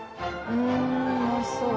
うんおいしそう。